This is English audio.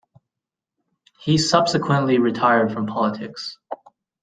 He subsequently retired from politics.